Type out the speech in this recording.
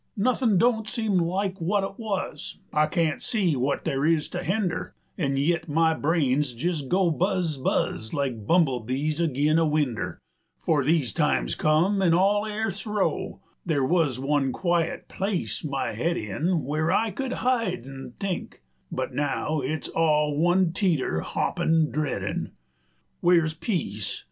Nothin' don't seem like wut it wuz; I can't see wut there is to hender, 50 An' yit my brains jes' go buzz, buzz, Like bumblebees agin a winder; 'Fore these times come, in all airth's row, Ther' wuz one quiet place, my head in, Where I could hide an' think, but now 55 It's all one teeter, hopin', dreadin'. Where's Peace?